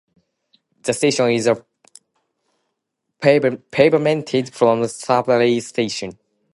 The station is a pavemented from Sunbury station.